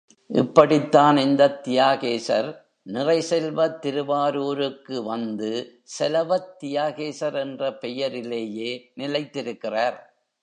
இப்படித்தான் இந்தத் தியாகேசர், நிறை செல்வத் திருவாரூருக்கு வந்து செலவத் தியாகேசர் என்ற பெயரிலேயே நிலைத்திருக்கிறார்.